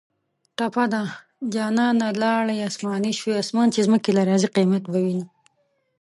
ټپه ده: جانانه لاړې اسماني شوې اسمان چې ځمکې ته راځي قیامت به وینه